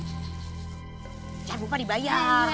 jangan lupa dibayar